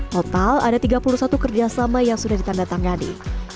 total ada tiga puluh satu kerjasama yang sudah ditandatangani